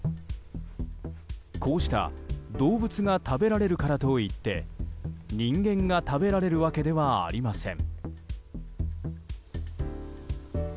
こうした動物が食べられるからといって人間が食べられるわけではありません。